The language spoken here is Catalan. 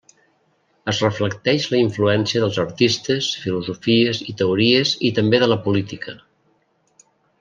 Es reflecteix la influència dels artistes, filosofies i teories i també de la política.